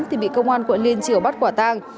thì bị công an quận liên triều bắt quả tang